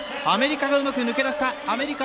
アメリカ、うまく抜け出した。